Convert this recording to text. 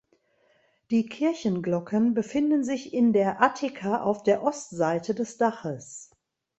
Die Kirchenglocken befinden sich in der Attika auf der Ostseite des Daches.